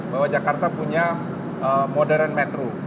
bahwa jakarta punya modern metro